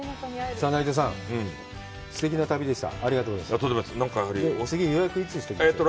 さあ、内藤さん、すてきな旅でした。